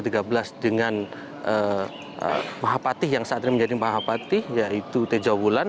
dengan mahapati yang saat ini menjadi mahapati yaitu tejawulan